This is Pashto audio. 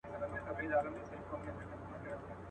د مستو پېغلو د پاولیو وطن.